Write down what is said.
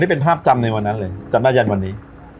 เป็นภาพจำในวันนั้นเลยจำได้ยันวันนี้